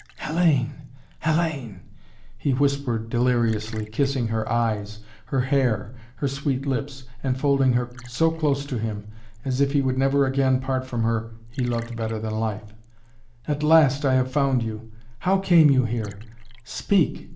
"Hellayne! Hellayne!" he whispered deliriously, kissing her eyes, her hair, her sweet lips, and folding her so close to him, as if he would never again part from her he loved better than life. "At last I have found you! How came you here? Speak!